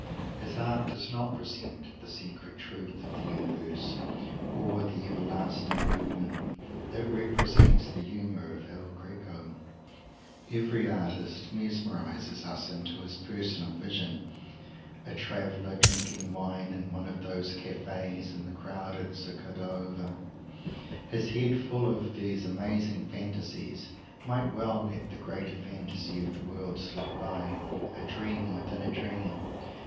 His art does not represent the secret Truth of the Universe, or the Everlasting Movement; it represents the humour of El Greco. Every artist mesmerizes us into his personal vision. A traveller, drinking wine in one of those cafes in the crowded Zocodover, his head full of these amazing fantasies, might well let the greater fantasy of the world slip by a dream within a dream!